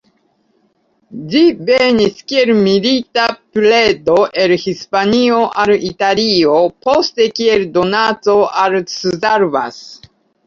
Ĝi venis, kiel milita predo el Hispanio al Italio, poste, kiel donaco, al Szarvas.